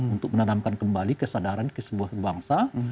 untuk menanamkan kembali kesadaran ke sebuah bangsa